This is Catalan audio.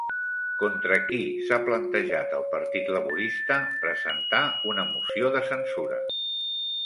Contra qui s'ha plantejat el Partit Laborista presentar una moció de censura?